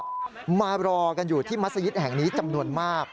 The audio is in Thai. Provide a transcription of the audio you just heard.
มารอกันอยู่ที่มัศยิตแห่งนี้จำนวนมาก